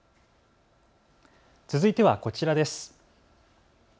続いてはこちらです。